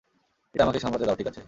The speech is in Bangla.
এটা আমাকে সামলাতে দাও ঠিকাছে।